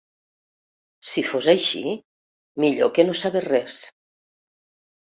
Si fos així, millor que no sabés res.